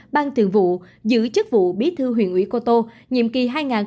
ban thường vụ giữ chức vụ bí thư huyện ủy cô tô nhiệm kỳ hai nghìn hai mươi hai nghìn hai mươi năm